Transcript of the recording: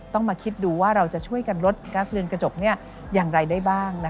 ต้องมาคิดดูว่าเราจะช่วยกันลดกัสเรือนกระจกอย่างไรได้บ้าง